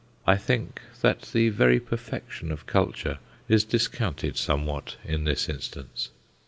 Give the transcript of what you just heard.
I think that the very perfection of culture is discounted somewhat in this instance.